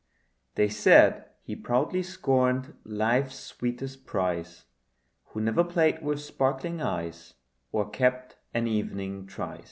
They said he proudly scorned life's sweetest prize, Who never played with sparkling eyes Or kept an evening tryst.